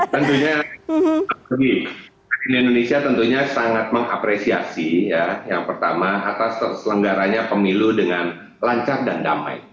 tentunya indonesia tentunya sangat mengapresiasi yang pertama atas terselenggaranya pemilu dengan lancar dan damai